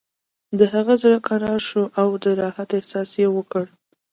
د هغه زړه کرار شو او د راحت احساس یې وکړ